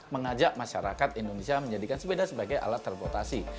mengajak masyarakat indonesia menjadikan sepeda sebagai alat transportasi